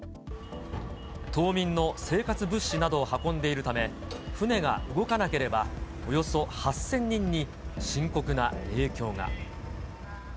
島民の生活物資などを運んでいるため、船が動かなければ、およそ８０００人に深刻な影響が。